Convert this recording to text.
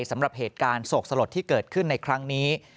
สำหรับเหตุการณ์โศกสลดที่เกิดขึ้นในครั้งนี้